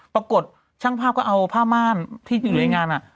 ปรากฏช่างภาพก็เอาผ้าม่านที่อยู่ในงาน